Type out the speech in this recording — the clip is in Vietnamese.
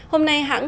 hôm nay hãng